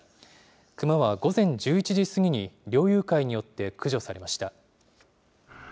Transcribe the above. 熊は午前１１時過ぎに猟友会によって駆除されました。